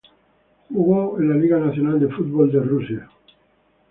Jugó en la Liga Nacional de Fútbol de Rusia.